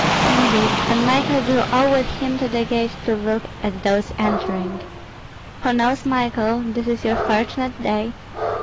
Seeing this, Pan Michael drew all with him to the gate to look at those entering. "Who knows, Michael, this is your fortunate day?